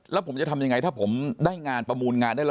แล้วผมจะทำยังไงถ้าผมได้งานประมูลงานได้แล้ว